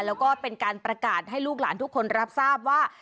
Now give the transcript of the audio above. แล้วก็เป็นการประกาศให้ลูกหลานทุกคนรับทราบว่า